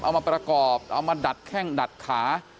เอามาประกอบเอามาดัดแข้งดัดขา